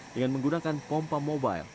dengan menggunakan pompa mobile